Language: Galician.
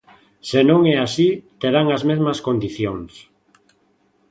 Se non é así, terán as mesmas condicións.